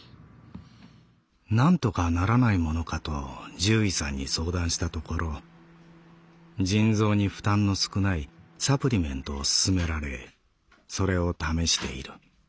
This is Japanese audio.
「なんとかならないものかと獣医さんに相談したところ腎臓に負担の少ないサプリメントを勧められそれを試している」。